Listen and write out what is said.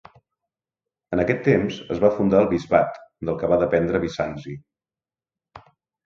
En aquest temps es va fundar el bisbat, del que va dependre Bizanci.